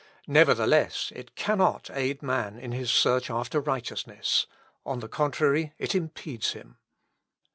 Nevertheless, it cannot aid man in his search after righteousness; on the contrary, it impedes him.